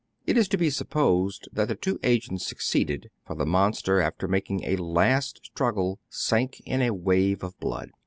It is to be supposed that the two agents succeeded ; for the monster, after mak ing a last struggle, sank in a wave of blood.